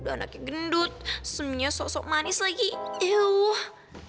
udah anaknya gendut seminya sok sok manis lagi eww